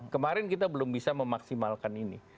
kemarin kita belum bisa memaksimalkan ini